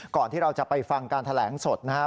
ที่เราจะไปฟังการแถลงสดนะครับ